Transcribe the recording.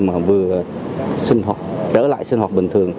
mà vừa trở lại sinh hoạt bình thường